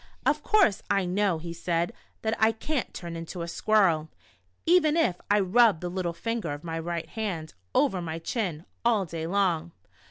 " Of course I know." he said, "that I can't turn into a squirrel, even if I rubbed the little finger of my right hand o\ er my chin, all day long."